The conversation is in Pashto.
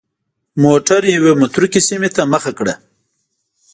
موټر یوې متروکې سیمې ته مخه کړه.